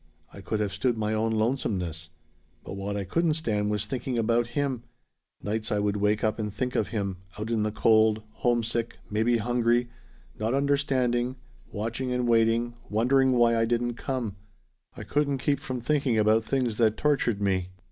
I could have stood my own lonesomeness. But what I couldn't stand was thinking about him. Nights I would wake up and think of him out in the cold homesick maybe hungry not understanding watching and waiting wondering why I didn't come. I couldn't keep from thinking about things that tortured me.